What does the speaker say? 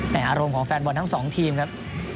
อารมณ์ของแฟนบอลทั้งสองทีมครับ